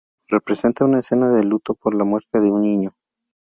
Representa una escena de luto por la muerte de un niño.